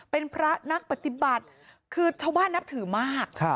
เป็นพระนักปฏิบัติคือชาวบ้านนับถือมาก